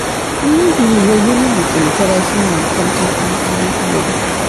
Una civilización industrializada es inconcebible sin ella.